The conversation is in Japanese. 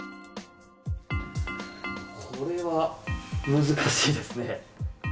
これは難しいですね。